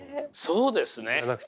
そうですね。